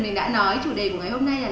mình đã nói chủ đề của ngày hôm nay là